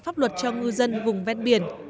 pháp luật cho ngư dân vùng vét biển